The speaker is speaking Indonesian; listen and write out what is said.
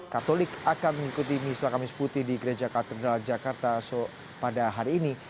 katolik akan mengikuti misa kamis putih di gereja katedral jakarta pada hari ini